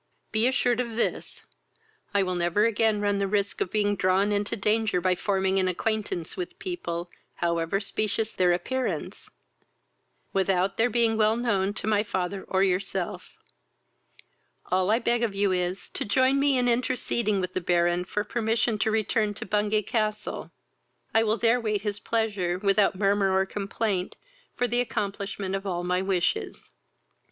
Be assured of this, I will never again run the risk of being drawn into danger by forming an acquaintance with people, however specious their appearance, without their being well known to my father or yourself. All I beg of you is, to join with me in interceding with the Baron for permission to return to Bungay castle. I will there wait his pleasure, without murmur or complaint, for the accomplishment of all my wishes.